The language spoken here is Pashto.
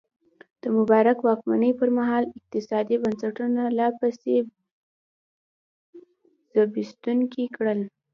د مبارک واکمنۍ پرمهال اقتصادي بنسټونه لا پسې زبېښونکي کړل.